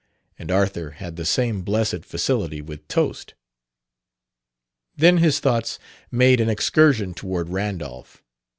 And Arthur had the same blessed facility with toast. Then his thoughts made an excursion toward Randolph.